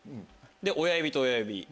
で親指と親指。